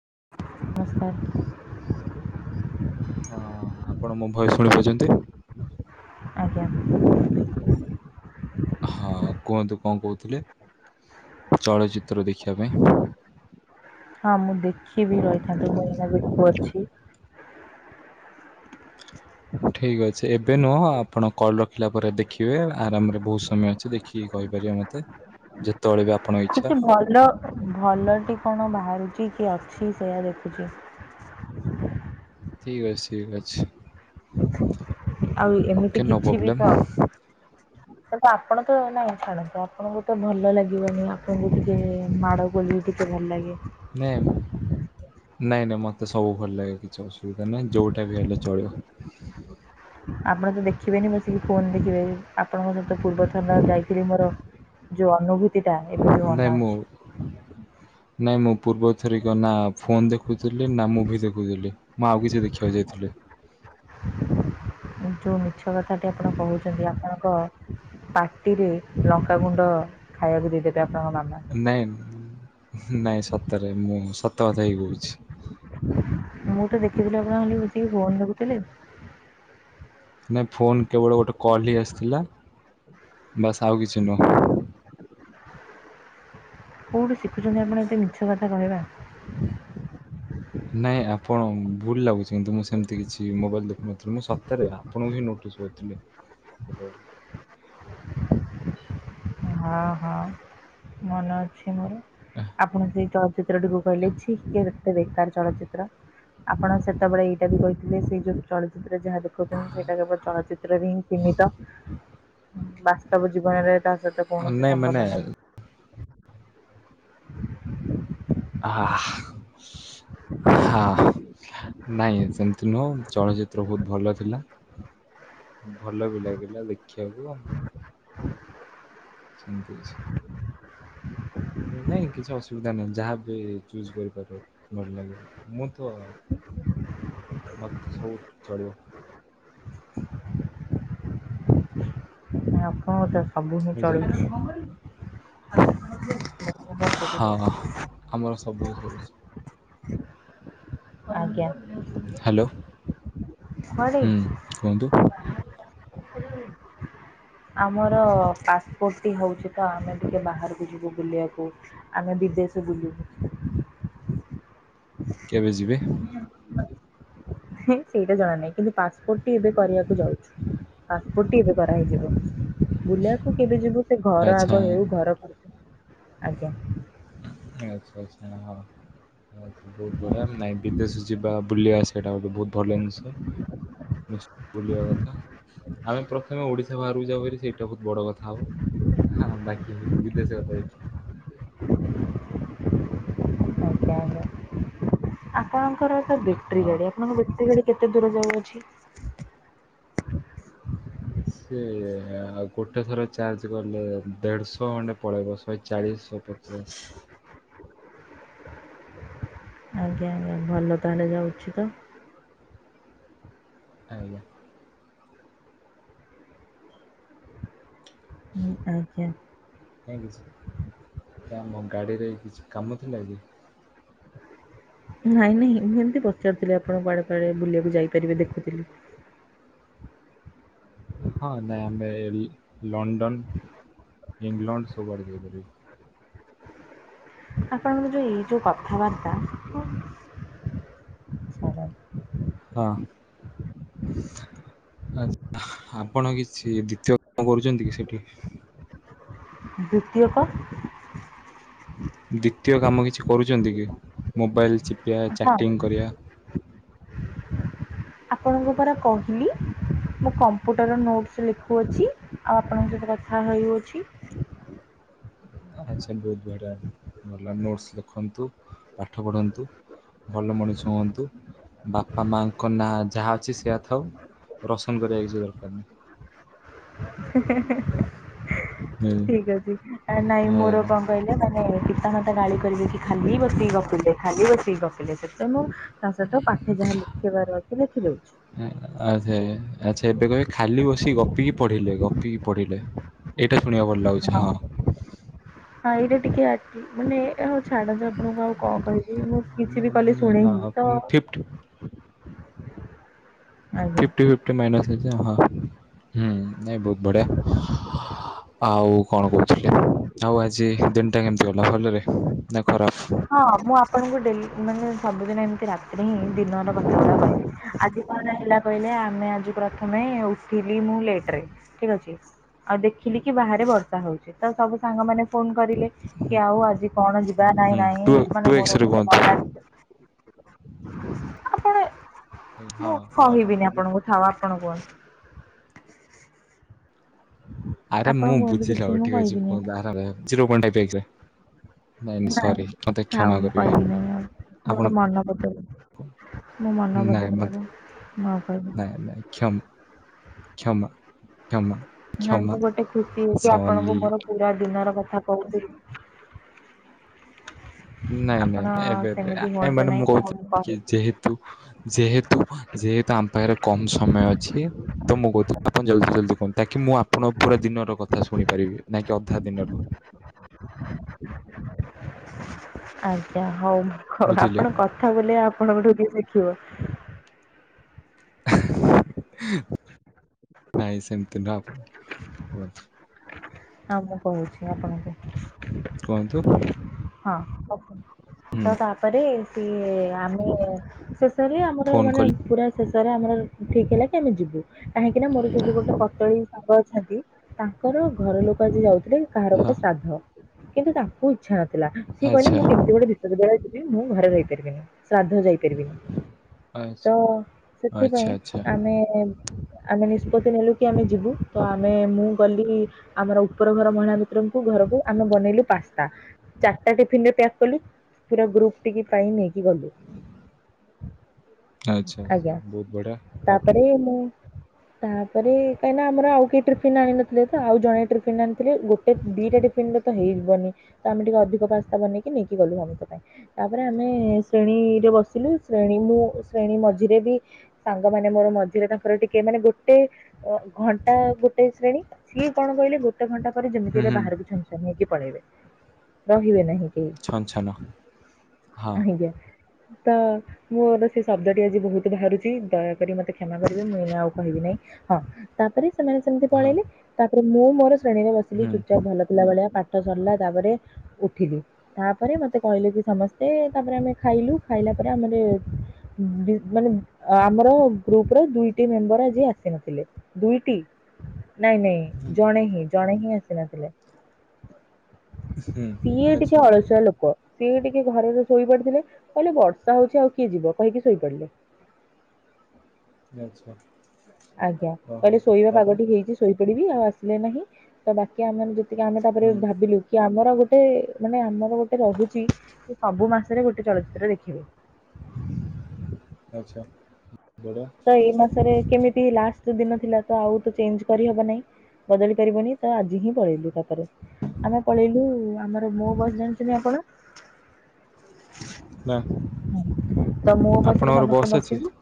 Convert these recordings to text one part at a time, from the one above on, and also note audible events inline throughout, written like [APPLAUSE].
ନମସ୍କାର। ହଁ, ଆପଣ ମୋ ଭଏସ ଶୁଣିପାରୁଛନ୍ତି? ଆଜ୍ଞା ହଁ, କୁହନ୍ତୁ କଣ କହୁଥିଲେ? ଚଳଚିତ୍ର ଦେଖିବା ପାଇଁ ହଁ, ମୁଁ ଦେଖିବି ରହିଥାନ୍ତେ ମୁଁ ଏଇନା ଦେଖୁ ଅଛି। [UNINTELLIGIBLE] ଏବେ ନୁହଁ ଆପଣ କଲ୍ ରଖିଲା ପରେ ଦେଖିବେ, ଆରାମରେ ବହୁତ ସମୟ ଅଛି ଦେଖିକି କହିପାରିବେ ମୋତେ। ଯେତେବେଳେ ବି ଆପଣଙ୍କ କିଛି ଇଚ୍ଛା। ଭଲ। କଣ ବାହାରୁଛି, କି ଅଛି ସେଇୟା ଦେଖୁଛି। ଠିକ ଅଛି, ଠିକ ଅଛି। ଆଉ ଓକେ ଏମିତି ନୋ କିଛି ବି ପ୍ରୋବ୍ଲେମ୍। ତ ଆପଣ ତ ନାଇଁ ଛାଡ଼ନ୍ତୁ, ଆପଣଙ୍କୁ ତ ଭଲ ଲାଗିବନି ଆପଣଙ୍କୁ ଟିକେ ମାଡ଼ ଗୋଳି ଟିକେ ଭଲ ଲାଗେ ନାଇଁ ନାଇଁ ନାଇଁ ମତେ ସବୁ ଭଲ ଲାଗେ କିଛି ଅସୁବିଧା ନାହିଁ, ଯୋଉଟା ବି ହେଲେ ଚଳିବ। ଆପଣ ତ ଦେଖିବେନି ବସିକି ଫୋନ ଦେଖିବେ। ଆପଣଙ୍କ ସହିତ ପୂର୍ବ ଥାନା ଯାଇଥିଲି ମୋର ଯୋଉ ଅନୁଭୂତି ନାଇଁ ମୁଁ, ନାଇଁ ମୁଁ ପୂର୍ବ ଥର କ ନା ଫୋନ ଦେଖୁଥିଲି ନା ମୁଭି ଦେଖୁଥିଲି ମୁଁ ଆଉ କିଛି ଦେଖିବାକୁ ଯାଇଥିଲି। ଯୋଉ ମିଛ କଥାଟି ଆପଣ କହୁଛନ୍ତି, ଆପଣଙ୍କ ପାଟିରେ ଲଙ୍କାଗୁଣ୍ଡ ଖାଇବାକୁ ଦେଇଦବା। ନାଇଁ, ନାଇଁ ସତରେ ମୁଁ ସତ କଥା ହେଇ କହୁଛି। ମୁଁ ତ ଦେଖିଥିଲି ଆପଣ ହେମିତି ଟିକେ ଫୋନ ଦେଖୁଥିଲେ ନାଇ ଫୋନ କେବଳ ଗୋଟେ କଲ ହି ଆସିଥିଲା। ବାସ୍ ଆଉ କିଛି ନୁହ? କେଉଠୁ ଶିଖୁଛନ୍ତି ଆପଣ ଏତେ ମିଛ କଥା କହିବା। ନାଇଁ ଆପଣ ଭୁଲ ଲାଗୁଛି କିନ୍ତୁ ମୁଁ ସେମିତି କିଛି ମୋବାଇଲ ଦେଖୁନ ମୁ ସପ୍ତାହରେ ଆପଣଙ୍କୁ ହିଁ ନୋଟିସ୍ କରିଥିଲି ହେଠୁ ହଁ ହଁ ମନେ ଅଛି ମୋର, ଆପଣ ଙ୍କୁ ତ ଚିତ୍ରଟିକୁ କହିଲେ ଛି ଏ ଦେଖତେ ବେକାର ଚଳଚିତ୍ର ଆପଣ ସେତେବେଳେ ଏଇଟା ବି କହିଥିଲେ ସେଇ ଯୋଉ ଚଳଚିତ୍ର ଯାହା ଦେଖଉଛନ୍ତି ସେଇଟା କେବଳ ଚଳଚିତ୍ରରେ ହିଁ ସୀମିତ। ବାସ୍ତବ ଜୀବନରେ ତା ସହିତ କୌଣସି ନାଇଁ ମାନେ ସମ୍ବନ୍ଧ ନାହିଁ। ହଁ ନାଇଁ ସେମିତି ନୁହଁ, ଚଳଚିତ୍ର ବହୁତ ଭଲ ଥିଲା। ଭଲ ବି ଲାଗିଲା ଦେଖିବାକୁ ଆ [UNINTELLIGIBLE] ସେମିତି ଅଛି। ନାଇଁ କିଛି ଅସୁବିଧା ନାହିଁ, ଯାହା ବି ଚୁଜ କରିପାରିବ ଭଲ ଲାଗିବ, ମୁଁ ତ ମତେ ସବୁ ଚଳିବ ବୁଝିଲେ। ଆପଣ [UNINTELLIGIBLE] ହଁ ଆମର ସବୁ [UNINTELLIGIBLE] ହେଇସାରିଛି [UNINTELLIGIBLE] ହ୍ୟାଲୋ ଆଜ୍ଞା, ହୁଁ କୁହନ୍ତୁ [UNINTELLIGIBLE] [UNINTELLIGIBLE] ଆମର ପାସପୋର୍ଟ ଟି ହଉଛି ତ ଆମେ ଟିକେ ବାହାରକୁ ଯିବୁ ବୁଲିବାକୁ ଆମେ ବିଦ ସେ ବୁଲ କେବେ ଯିବେ ସେଇଟା ଜଣ ନାହିଁ କିନ୍ତୁ ପାସପୋର୍ଟ ଟି ଏବେ କରିବାକୁ ଯାଉଛ ପାସପୋର୍ଟଟି ଏବେ କରାହଇଯିବ ବୁଲିବାକୁ କେବେ ଯିବୁ ସେ ଘର ଆଚ୍ଛା ଆଗ ହେଉ ଘର କରି ଆଜ୍ଞା ଆଛା ଆଚଛା ଆ ବହୁତ ବଢିଆ ନାଇଁ ବିଦେଶ ଯିବା ବୁଲିବା ସେଇଟା ଗୋଟେ ବହୁତ ଭଲ ଜିନିଷ ବୁଲିବା କଥା ଆମେ ପ୍ରଥମେ ଓଡିଶା ବାହାରକୁ ଯାଉ ସେଇଟା ବହୁତ ବଡ କଥା ହ ବାକି ଦିଦସ କଥା ଦେିବା ଆପଣ ବଟୀ ହଁ ଗାଡି ଆପଣଙ୍କ ବେଟୀ ଗାଡି କେତେ ଦୂର ଯାଉଅଛି ସେ ଆଉ ଗୋଟେ ଥର ଚାର୍ଜ କଲେ ଦେଢଶହ ଖଣ୍ଡେ ପଳେଇବ ଶହେ ଚାଳିଶ ସ ପଚଶ ହ ଆଜ୍ଞା ଆଜ୍ଞା ଭଲ ତାହେଲେ ଯାଉଛି ତ ଆଜ୍ଞା। ଆଜ୍ଞା। କିଛି ଗାଡ଼ିରେ କିଛି କାମ ଥିଲା କି? [UNINTELLIGIBLE] ନାଇଁ ନାଇଁ ମୁଁ ଏମତି ପଚାରୁଥିଲି ଆପଣଙ୍କ କୁଆଡ଼େ କୁଆଡ଼େ ବୁଲିବାକୁ ଯାଇପାରିବେ ଦେଖୁଥିଲି। [UNINTELLIGIBLE] ହଁ ନାଇଁ ଆମେ ଲଣ୍ଡନ ଇଂଲଣ୍ଡ ସବୁଆଡ଼େ ଯାଇପାରିବା। ଆପଣଙ୍କର ଯେଉଁ ଏଇ ଯଉଁ କଥାବାର୍ତ୍ତା ହ [UNINTELLIGIBLE] ହଁ। [UNINTELLIGIBLE] ଆଚ୍ଛା, ଆପଣ କିଛି ଦ୍ଵିତୀୟ କାମ କରୁଛନ୍ତି କି ସେଠି ଦ୍ୱିତୀୟକ ଦ୍ୱିତୀୟ କାମ କିଛି କରୁଛନ୍ତି କି ମୋବାଇଲ ଚିପିବା, ହଁ ଚାଟିଂ କରିବା। ଆପଣଙ୍କୁ ପରା କହିଲି। ମୁଁ କମ୍ପୁଟର ନୋଟ୍ସ୍ ଲେଖୁଅଛି ଆଉ ଆପଣଙ୍କ ସହିତ କଥା ହେଉଅଛି। ଆଚ୍ଛା ବହୁତ ବଢ଼ିଆ ନୋଟସ ଲେଖନ୍ତୁ ପାଠ ପଢ଼ନ୍ତୁ। ଭଲ ମଣିଷ ହୁଅନ୍ତୁ। ବାପା ମାଙ୍କ ନାଁ ଯାହା ଅଛି ସେଆ ଥାଉ ରସନ କରିବା କିଛି ଦରକାର ନାହିଁ। ହ [UNINTELLIGIBLE] ନାହିଁ। ଠିକ ଅଛି ନାଇଁ ହଁ ମୋର କଣ କହିଲେ ମାନେ ପିତା, ମାତା ଗାଳି କରିବେ କି ଖାଲି ବସିକି ଗପିଲେ ଖାଲି ବସିକି ଗପିଲେ। ସେଥି ମୁଁ ତା ସହିତ ପାଠ ଯାହା ଲେଖେଇବାର ଅଛି ଲେଖିଦଉଛି। ସେ ଏବେ କେ ଖାଲି ବସି ଗପିକି ପଢ଼ିଲେ ଗପିକି ପଢ଼ିଲେ ଏଇଟା ଶୁଣିବାକୁ ଭଲ ଲାଗୁଛି ହଁ। ହଁ ଏଇଟା ଟିକେ ଆଟି ମାନେ ଏ ହଉ ଛାଡ଼ ଆପଣଙ୍କୁ ଆଉ କଣ କହିବି ମୁଁ କିଛି ବି କଲି ଶୁଣେ ହିଁ ତ ଆଜ୍ଞା ଫିପ୍ଟି ଫିପ୍ଟି ମାଇନସ ହେଇଯାଏ ହିଁ ହୁଁ ନାଇଁ ବହୁତ ବଢ଼ିଆ। ଆଉ କଣ କହୁଥିଲି ଆଉ ଆଜି ଦିନଟା କେମିତି ଗଲା ଭଲରେ ନା ଖରାପ? ହଁ ମୁଁ ଆପଣଙ୍କୁ ଡେଲି ମାନେ ସବୁଦିନ ଏମିତି ରାତିରେ ହିଁ ଦିନର କଥା ଗୁଡ଼ା କହିବି ଆଜି ହେଲା କହିଲେ ଆମେ ଆଜି ପ୍ରଥମେ ଉଠିଲି ମୁଁ ଲେଟ ରେ ଠିକ ଅଛି ଆଉ ଦେଖ କି ବାହାରେ ବର୍ଷା ହଉଛି ତ ସବୁ ସାଙ୍ଗମାନେ ଫୋନ କରିଲେ କି ଆଉ ଆଜି କଣ ଯିବା ନାଇଁ ହୁଁ ନାଇଁ ଟୁ ଟୁ ମାନେ ମୋର ଏକ୍ସରେ ଗୋଟେ କୁହନ୍ତୁ ମହିଳା ମି ଆପଣ ଏ ହଁ ମୁଁ ସାଙ୍ଗମାନେ ଫୋନ କହିବିନି କଲେ ଆପଣଙ୍କୁ ଥାଉ ଆପଣ କୁହନ୍ତୁ। ଆରେ ଆପଣ ମୁଁ କୁହନ୍ତୁ ବୁଝିଲ କିଛି ହଉ ମୁଁ ଠିକ ଅଛି କହିବିନି ଆଉ କୁହନ୍ତୁ। ଆରରେ ଜିରୋ ପଏଣ୍ଟ ଟାଇପ୍ ଏକ୍ସ ନାଇଁ ନାଇଁ ସରି ମୋତେ ଥାଉ କ୍ଷମା ମୁଁ କରିବେ। କହିବି ନାହିଁ ଆଉ। ମୋର ଆପଣ ମନ ବଦଳ ମୋ ମନ ନାଇଁ ବଦଳିଗଲା ମୋତେ ମୁଁ ଆଉ କହିବିନି। ନାଇଁ ନାଇଁ କ୍ଷମ କ୍ଷମା। କ୍ଷମା ନା କ୍ଷମା ତ ଗୋଟେ ଖୁସି ହେଇକି ଆପଣଙ୍କୁ ସଲି ମୋର ପୁରା ଦିନର କ ଥା କହୁଥିଲୁ। ନାଇଁ ନାଇଁ ନାଇଁ ଏବେ ଏବେ ସେମିତି ଏ ହୁଅନ୍ତୁ ମାନେ ନାହିଁ ମୁଁ ଆଉ କହୁଥି କି କହୁଛି। ଯେହେତୁ ଯେହେତୁ ଯେହେତୁ ଆମ ପାଖରେ କମ ସମୟ ଅଛି। ତ ମୁଁ କଉ ତ ଆପଣ ଜଲଦି ଜଲଦି କୁହନ୍ତୁ। ତାକି ମୁଁ ଆପଣଙ୍କ ପୁରା ଦିନର କଥା ଶୁଣିପାରିବି ନାକି ଅଧା ଦିନର। ହ [UNINTELLIGIBLE] ଆଜ୍ଞା ହଉ ହୋ ବୁଝିଲେ ଆପଣ କଥା ବୁଲେଇବା ଆପଣଙ୍କଠୁ କିଏ ଶିଖିବ। [UNINTELLIGIBLE] ନାଇଁ ସେମତି ନୁହଁ ଆପଣ କୁହନ୍ତୁ। ହଁ ମୁଁ କହୁଛି ଆପଣଙ୍କୁ। କୁହନ୍ତୁ। ହଁ [INAUDIBLE] ହୁଁ ତ ତାପରେ ସିଏ ଆମେ ଶେଷରେ ଆମର ଫୋନ୍ ମାନେ କଲେ ପୁରା ଶେଷରେ ଆମର ଠିକ ହେଲା କି ଆମେ ଯିବୁ। କାହିଁକି ନା ମୋର ସେ ଯୋଉ ଗୋଟେ ପତଳି ସାଙ୍ଗ ଅଛନ୍ତି ତାଙ୍କର ଘର ଲୋକ ଯିଏ ଯାଉଥିଲେ କାହାର ହଁ ଗୋଟେ ଶ୍ରାଦ୍ଧ। କିନ୍ତୁ ତାଙ୍କୁ ଇଚ୍ଛା ନ ଥିଲା। ସିଏ କହିଲେ ଆଚ୍ଛା ମୁଁ କେମିତି ଗୋଟେ ବିଶ୍ୱବିଦ୍ୟାଳୟ ଯିବି। ମୁଁ ଘରେ ରହିପାରିବିନି। ଶ୍ରାଦ୍ଧ ଯାଇପାରିବିନି। ତ ଆଚ୍ଛା। ଆଚ୍ଛା ସେଥିପାଇଁ ଆଚ୍ଛା ଆଚ୍ଛା ଆମେ ଆମେ ନିଷ୍ପତ୍ତି ନେଲୁ କି ଆମେ ଯିବୁ। ତ ଆମେ ମୁଁ ଗଲି ଆମର ଉପର ଘର ମହିଳା ମିତ୍ରଙ୍କୁ ଘରକୁ ଆମେ ବନେଇଲୁ ପାସ୍ତା ଚାଟା ଟିଫିନରେ ପ୍ୟାକ୍ କଲୁ। ପୁରା ଗ୍ରୁପ୍ ଟି କି ପାଇଁ ନେଇକି ଗଲୁ। ଆଚ୍ଛା ଆଜ୍ଞା, ବହୁତ ବଢ଼ିଆ ତାପରେ ମୁଁ ତାପରେ କାହିଁକିନା ଆମର ଆଉ କେହି ଟ୍ରିଫିନ ଆଣି ନଥିଲେ ତ। ଆଉ ଜଣେ ଟିଫିନ ଆଣିଥିଲି ଗୋଟେ ଦିଟା ଟିଫିନ ର ତ ହେଇବନି। ତ ଆମେ ଟିକେ ଅଧିକ ପାସ୍ତା ବନେଇକି ନେଇକି ଗଲୁ ଆମେ ତ। ପାଇଁ ତାପରେ ଆମେ ଶ୍ରେଣୀରେ ବସିଲୁ। ଶ୍ରେଣୀ ମୁଁ ଶ୍ରେଣୀ ମଝିରେ ବି ସାଙ୍ଗ ମାନେ ମୋର ମଝିରେ ତାଙ୍କର ଟିକେ ମାନେ ଗୋଟେ ଅ, ଘଣ୍ଟା ଗୋଟେ ଶ୍ରେଣୀ। ସିଏ କଣ କହିଲେ ଗୋଟେ ଘଣ୍ଟା ପରେ ହୁଁ ଯେମିତିରେ ହୁଁ ବାହାରକୁ ଛନ୍ ଛନ୍ ହେଇକି ପଳେଇବେ। ରହିବେ ନାହିଁ। କେହି ଛନ୍ ଛନ୍ ହଁ। ଆଜ୍ଞା ତ ମୋର ସେ ଶବ୍ଦଟି ଆଜି ବହୁତ ବାହାରୁଚି। ଦୟାକରି ମୋତେ କ୍ଷମା କରିବେ ମୁଁ ଏଇନେ ଆଉ କହିବି ନାହିଁ? ହଁ ତାପରେ ସେମାନେ ସେମିତି ହଁ ପଳେଇଲେ। ତାପରେ ମୁଁ ମୋର ଶ୍ରେଣୀରେ ବସିଲି ହୁଁ। ଚୁପଚାପ୍ ଭଲ ପିଲା ଭଳିଆ। ପା ସରିଲା ତାପରେ ଉଠିଲି। ତାପରେ ମୋତେ କହିଲେ କି ସମସ୍ତେ ତାପରେ ଆମେ ଖାଇଲୁ। ଖାଇଲା ପରେ ଆମର ଦୁ ମାନେ ଆମର ଗ୍ରୁପ ର ଦୁଇଟି ମେମ୍ବର୍ ଆଜି ଆସିନଥିଲେ। ଦୁଇଟି ନାଇଁ ନାଇଁ ହୁଁ ଜଣେ ହିଁ, ଜଣେ ହଁ ହିଁ ଆସିନଥିଲେ। ହୁଁ ସିଏ ଟିକେ ଆଚ୍ଛା ଅଳସୁଆ ଲୋକ। ସିଏ ଟିକେ ଘରରେ ଶୋଇ ପଡିିଥିଲେ କହିଲେ ବର୍ଷା ହଉଛି ଆଉ କିଏ ଯିବ କହିକି ଶୋଇପଡିଲେ। ଆଚ୍ଛା। ଆଜ୍ଞା, ଓହୋ କହିଲେ ଶୋଇବା ପାଗ ତାପରେ ଟିକ ହେଇଛି ଶୋଇପଡିବି। ଆଉ ଆସିଲେ ନାହିଁ ତ ବାକି ଆମ ମାନେ ଯେ ତିକି ଆମେ ତାପରେ ହୁଁ ଭାବିଲୁ କି ଆମର ଗୋ ଟେ ମାନେ ଆମର ଗୋଟେ ରହୁଚି ସେ ସବୁ ମାସରେ ଗୋଟେ ଚଳଚିତ୍ର ଦେଖିବେ। ଆଚ୍ଛା। ବଢ଼ିଆ ତ ଏଇ ମାସରେ କେମିତି ଲାଷ୍ ଟ ଦିନ ଥିଲା ତ ଆଉ ତ ଚେଞ୍ଜ କରିହବ ନାଇଁ। ବଦଳି ପାରିବନି। ତ ଆଜି ହିଁ ପଳେଇଲୁ ତାପରେ ଆମେ ପଳେଇଲୁ, ଆମର ମୋ ବସ୍ ଜାଣିଚନ୍ତି ଆପଣ? ନା ତ ମୋ ବସରେ ଆପଣଙ୍କର ସମସ୍ତେ ବସ୍ ଅଛି ବସିଲୁ।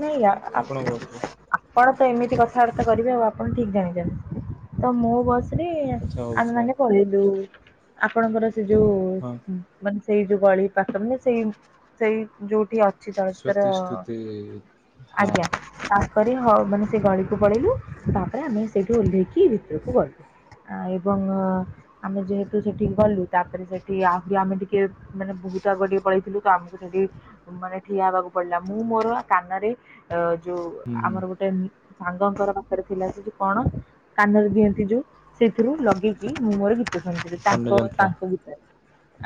ନାଇଁ ଆପଣଙ୍କ ବସରେ ଆପଣ ତ ଏମିତି? ସେ କଥାବାର୍ତ୍ତା କରିବେ ଆଉ ଆପଣ ଠିକ୍ ଜାଣଛନ୍ତିଛନ୍ତି ତ ମୁଁ ମୋ ବସ୍ ଆଚ୍ଛା ହଉ ଆମେ କୁହ ମାନେ କହିଲୁ ଆପଣଙ୍କର ସେ ଯୋଉ ହଁ ମାନେ ସେଇ ଯୋଉ ଗଳି ପାଖ ମାନେ ସେଇ ସେଇ ଯୋଉଠି ଅଛି ତା ଭିତରେ ସ୍ୱତିସ୍ତୁତି ହଁ ଆଜ୍ଞା, ପରେ ହ ମାନେ ସେ ଗଳିକୁ ପଳେଇିଲୁ ତାପରେ ଆମେ ସେଇଠୁ ଓହ୍ଲେଇକି ଭିତରକୁ ଗଲୁ। ଏବଂ ଆମେ ଯେହେତୁ ସେଠି ଗଲୁ ତାପରେ ସେଠି ଆହୁରି ଆମେ ଟିକେ ମାନେ ତ ଆଗ ଟିକେ ପଳେଇଥିଲୁ ତ ଆମକୁ ସେଠି ମାନେ ଠିଆ ହେବାକୁ ପଡିଲା ମୁଁ ମୁଁ ମୋର କାନରେ ଅ ଯୋଉ ହୁଁ ହୁଁ ଆମର ଗୋଟେ ସାଙ୍ଗଙ୍କର ପାଖରେ ଥିଲା ସେଠି କଣ? କାନରେ ଦିଅନ୍ତି ଯୋଉ ସେଥିରୁ ଲଗେଇକି ମୁଁ ମୋର ତାଙ୍କ କର୍ଣ୍ଣଯନ୍ତ୍ର ତାଙ୍କ ଗୀତରେ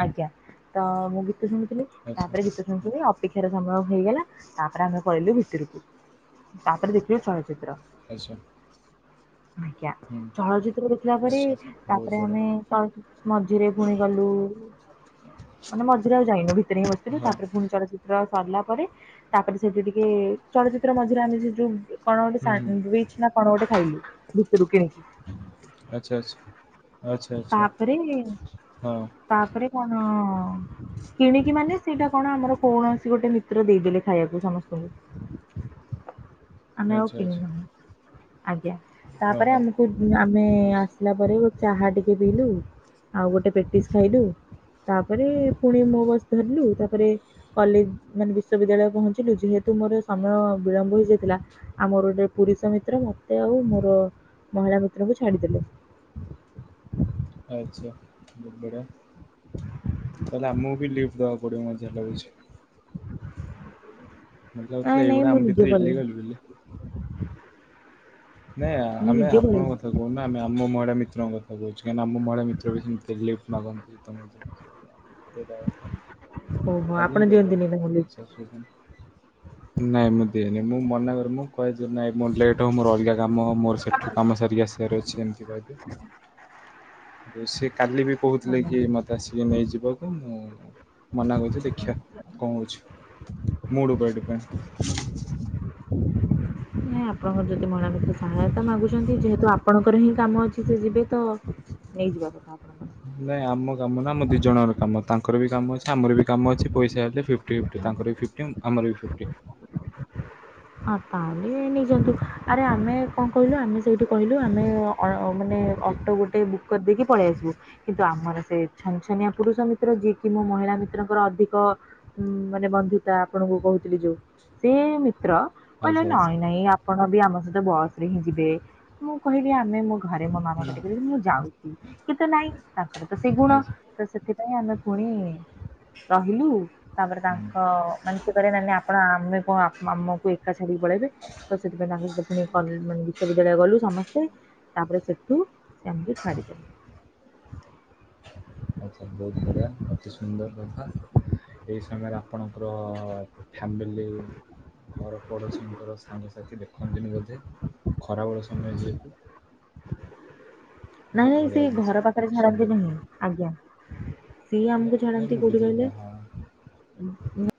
ଆଜ୍ଞା ତ ମୁଁ ଗୀତ ଗୀତ ଶୁଣୁଥିଲି ଆଚ୍ଛା ତାପରେ ଗୀତ ହଁ ଶୁଣୁଥିଲି ଅପେକ୍ଷାର ସମ୍ଭୟ ହେଇଗଲା ତାପରେ ଆମେ ପଳିଲୁ ଭିତରକୁ ତାପରେ ଦେଖିଲୁ ଚଳଚିତ୍ର। ଆଚ୍ଛା ଆଜ୍ଞା ହୁଁ ଚଳଚିତ୍ର ଦେଖିଲା ପରେ ଆଚ୍ଛା ବହୁତ ତାପରେ ବଢ଼ିଆ ଆମେ ଚଳଚିତ୍ର ମଝିରେ ପୁଣି ଗଲୁ ମାନେ ମଝିରେ ଆଉ ଯାଇନୁ ଭିତରେ ହିଁ ବସିଥିଲୁ ହଁ ତାପରେ ପୁଣି ଚଳଚିତ୍ର ସରିଲା ପରେ ତାପରେ ସେଠି ଟିକେ ଚଳଚିତ୍ର ମଧ୍ୟରେ ଆମେ ସେ ଯୋଉ କଣ ହୁଁ ହୁଁ ଗୋଟେଚ ନା କଣ ଗୋଟେ ଖାଇଲୁ ଭିତରୁ କିଣିକି ଆଚ୍ଛା ଆଚ୍ଛା ଆଚ୍ଛା ଆଚ୍ଛା ତାପରେ ହଁ ତାପରେ କଣ କିଣିକି ମାନେ ସେଇଟା କଣ ଆମର କୌଣସି ଗୋଟେ ନିତ୍ର ଦେଇଦେଲେ ଖାଇବାକୁ ସମସ୍ତଙ୍କୁ ଆମେ ଆଚ୍ଛା କି ଆଚ୍ଛା ଆଜ୍ଞା ତାପରେ ଓହୋ ଆମକୁ ଆମେ ଆଚ୍ଛା ଆସିଲା ପରେ ଗୋେ ଚାହା ଟିକେ ପିଇଲୁ ଆଉ ଗୋଟେ ପ୍ରେକ୍ଟିସ୍ ଖାଇଲୁ ତାପରେ ପୁଣି ମୋ ବସ ଧରିଲୁ ତାପରେ କଲେଜ ମାନେ ବିଶ୍ବିଦ୍ୟାଳୟ ପହଞ୍ଚିଲୁ ଯେହେତୁ ମୋର ସମୟ ବିଳମ୍ବ ହେଇଯାଇଥିଲା ଆଉମର ଗୋଟେ ପୁରୁଷ ମିତ୍ର ମତେ ଆଉ ମୋର ମହିଳା ପୁତ୍ରଙ୍କୁ ଛାଡିଦେଲେ ଆଚ୍ଛା ବଢିଆ ତାହାଲେ ଆମକୁ ବି ଲିଫ୍ଟ ଦବାକୁ ପଡିବ ମତେ ଯାହା ଲାଗୁଛି ମତେ ନାଇଁ ଲାଗୁଥିଲା ନାଇଁ ଏଗୁଡା ମୁଁ ଆମ ନିଜେ ଭିତରେ ହେଇଲି ପଳେଇବି ଗଲି ନାଇଁ ମୁଁ ଆମେ ନିଜେ ଆପଣଙ୍କ ପଳେଇବି କଥା କହୁନ ଆମେ ଆମ ମହିଳା ମିତ୍ରଙ୍କ କଥାହୁଛି କାହିଁକି ଆମ ମଳିଳା ମିତ୍ର ବି ସେମିତି ଲିଫ୍ଟ ମାଗନ୍ତି ତମ ସେ ଦ [INAUDIBLE] ହ ହୋ ଆପଣ ଦିଅନ୍ତିନି ତାଙ୍କୁ ଲିଫ୍ଟ ଅସୁବିଧା ନାହିଁ। ନାଇଁ ମୁଁ ଦିଏନି, ମୁଁ ମନାକରେ, ମୁଁ କହେ ଯେ ନାଇଁ ମୋର ଲେଟ ହଉ ମୁ ରଗାର କାମ ମୋର ସେଠୁ କାମ ସାରିକି ଆସିବାର ଅଛି ଏମିତି ଭ କାଲି ବି କହୁଥିଲେ କି ମୋତେ ଆସିକି ନେଇଯିବାକୁ ମୁଁ ମନା କରୁଛି ଦେଖିବା କଣ କହୁଛି ମୂଡ ଉପରେ ଡିପେଣ୍ଡ ନାଇଁ ଆପଣଙ୍କର ଯଦି ମନ ଭିତ ସହାୟତା ଡିପେଣ୍ଡ। ମାଗୁଛନ୍ତି ଯେହେତୁ ଆପଣଙ୍କ ଙ୍କର ହିଁ କାମ ଅଛି ସେ ଯିବେ ତ ନେଇଯିବା କଥା ଆପଣ ନାଇଁ ଆମ କାମ ନା ଆମ ଦି ଜଣଙ୍କର କାମ ତାଙ୍କର ବି କାମ ଅଛି ଆମର ବି କାମ ଅଛି ପଇସା ହେଲେ ଫଫଟି ଫ୍ ତାଙ୍କର ବି ଫିଫ୍ଟି ଆମର ବି ଫିଫ୍ଟି ହଁ ତାହେଲେ ନେଇଯାନ୍ତୁ ଆରେ ଆମେ କଣ କହିଲୁ ଆମେ ସେଇଠି କହିଲୁ ଆମେ ଆଉ ମାନେ ଠିକ୍ ଅଟୋ ଗୋଟେ ବୁକ୍ କରିଦେଇକି ପଳେଇ ଆସିବୁ କିନ୍ତୁ ଆମର ସେ ଛନଛନିଆ ପୁରୁଷ ମିତ୍ର ଯିଏକି ମଁ ମହିଳା ମିତ୍ରଙ୍କର ଅଧିକ ମାନେ ବନ୍ଧୁତା ଆପଣଙ୍କୁ କହୁଥିଲି ଯୋଉ ସେ ମିତ୍ର କହିଲା ଆଚ୍ଛା ଆଚ୍ଛା ନାଇଁ ନାଇଁ ଆପଣ ବି ଆମ ସହିତ ବସ ରେ ହିଁ ଯିବେ ମୁଁ କହିବି ଆମେ ଘରେ ମୋ ମାମା ପାଟେ କର ମୁଁ ଯାଉଛି କି ତ ନାଇଁ ତାଙ୍କର ତ ସେଇ ଗୁଣ ଆଚ୍ଛା ତ ସେଥି ନାଇ ଆମେ ପୁଣି ରହିଲୁ ତାପରେ ହୁଁ ତାଙ୍କ ମାନଷ ନଲେ ଆପ ଆପଣ ଆମେ କଣ ଆମ ଆମକୁ ଏକା ଛାଡିକି ପଳେଇବେ ତ ସେଥିପାଇଁ ପୁଣି ମାନେ [UNINTELLIGIBLE] ସ ବିଦ୍ୟାଳୟ ଗଲୁ ସମସ୍ତେ ତାପରେ ସେଠୁ ସେ ଆମକୁ ଛାଡିଦେଲୁ ଆଚଛା ବହୁତ ବଢ଼ଆ ଅତି ସୁନ୍ଦର କଥା ଏଇ ସମୟରେ ଆପଣଙ୍କର ଫ୍ୟାମିଲି ଘର ପଡୋଶୀଙ୍କର ସାଙ୍ଗସାଥି ଦେଖନ୍ତିନି ବୋଧେ ଖରା ବେଳ ସମୟ ଯେହେତୁ ନାଇଁ ବହୁତ ନାଇଁ ସେ ବଢ଼ିଆ ଜିନିଷ ଘର ପାଖରେ ଅତି ଛାଡନ୍ତି ସୁନ୍ଦର ନାହିଁ ଆଜ୍ଞା ସିଏ ନାଇଁ ଆମକୁ ନାଇଁ ଛାଡନ୍ତି ମୁଁ କୋଉଠି ବୁଝିଲି କହିଲେ। ହଁ ଉ